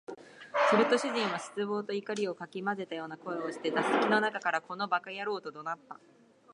すると主人は失望と怒りを掻き交ぜたような声をして、座敷の中から「この馬鹿野郎」と怒鳴った